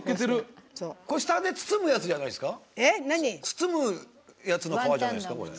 包むやつの皮じゃないですか？